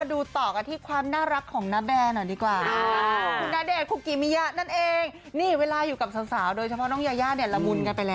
มาดูต่อกันที่ความน่ารักของนะแบนหน่อยดีกว่า